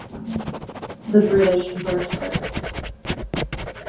The British burnt her.